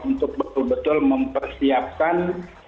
untuk betul betul mempersiapkan